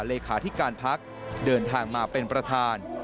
เลขาธิการพักเดินทางมาเป็นประธาน